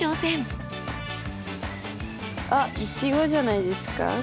あっイチゴじゃないですかこれ。